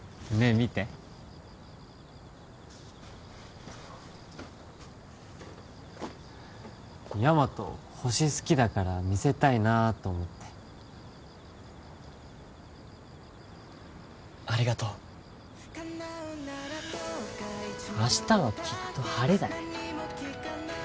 見てヤマト星好きだから見せたいなあと思ってありがとう明日はきっと晴れだね